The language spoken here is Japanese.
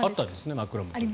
枕元に。